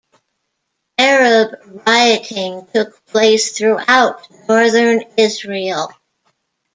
Arab rioting took place throughout northern Israel.